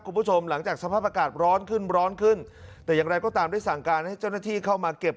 คุณผู้ชมหลังจากสภาพอากาศร้อนขึ้นร้อนขึ้นแต่อย่างไรก็ตามได้สั่งการให้เจ้าหน้าที่เข้ามาเก็บ